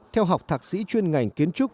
theo học thạc sĩ chuyên ngành kiến trúc